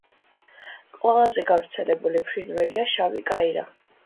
ყველაზე გავრცელებული ფრინველია შავი კაირა.